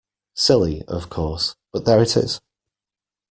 Silly, of course, but there it is.